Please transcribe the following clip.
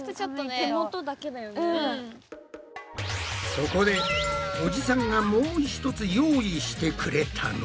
そこでおじさんがもう一つ用意してくれたのは。